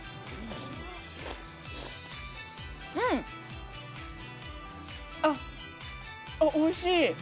うん、あおいしい！